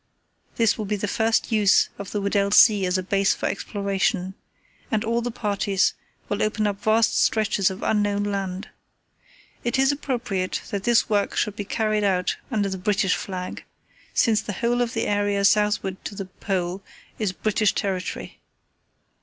"This will be the first use of the Weddell Sea as a base for exploration, and all the parties will open up vast stretches of unknown land. It is appropriate that this work should be carried out under the British Flag, since the whole of the area southward to the Pole is British territory.